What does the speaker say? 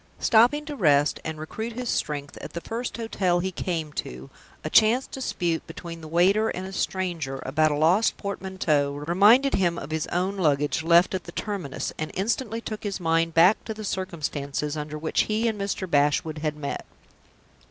Stopping to rest and recruit his strength at the first hotel he came to, a chance dispute between the waiter and a stranger about a lost portmanteau reminded him of his own luggage, left at the terminus, and instantly took his mind back to the circumstances under which he and Mr. Bashwood had met.